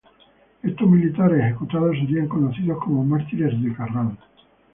Estos militares ejecutados serían conocidos como Mártires de Carral.